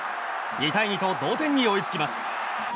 ２対２と同点に追いつきます。